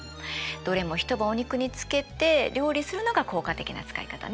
どれも一晩お肉に漬けて料理するのが効果的な使い方ね。